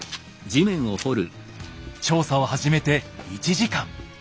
調査を始めて１時間。